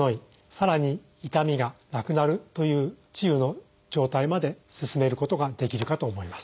さらに痛みがなくなるという治癒の状態まで進めることができるかと思います。